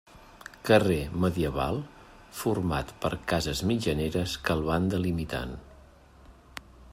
Carrer medieval format per cases mitjaneres que el van delimitant.